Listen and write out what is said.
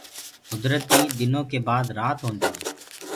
گُدرتي دنو ڪي بآد رآت هوجآندي هي۔